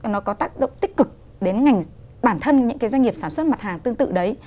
nó có tác động tích cực đến ngành bản thân những cái doanh nghiệp sản xuất mặt hàng tương tự đấy